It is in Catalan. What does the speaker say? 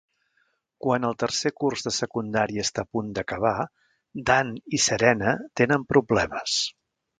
Quan el tercer curs de secundària està a punt d'acabar, Dan i Serena tenen problemes.